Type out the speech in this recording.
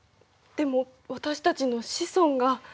でも私たちの子孫が。